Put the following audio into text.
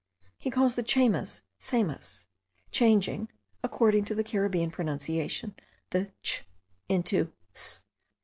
He calls the Chaymas, Saimas, changing (according to the Caribbean pronunciation) the ch into s.)